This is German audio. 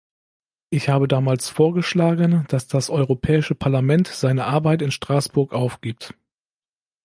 Ich habe damals vorgeschlagen, dass das Europäische Parlament seine Arbeit in Straßburg aufgibt.